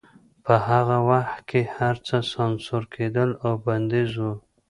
په هغه وخت کې هرڅه سانسور کېدل او بندیز و